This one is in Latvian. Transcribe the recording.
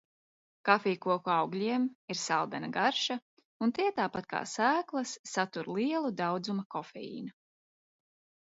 Kafijkoku augļiem ir saldena garša un tie, tāpat kā sēklas, satur lielu daudzuma kofeīna.